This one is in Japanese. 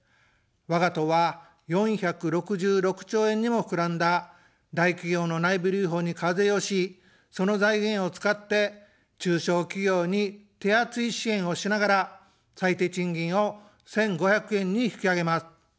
わが党は４６６兆円にもふくらんだ大企業の内部留保に課税をし、その財源を使って、中小企業に手厚い支援をしながら、最低賃金を１５００円に引き上げます。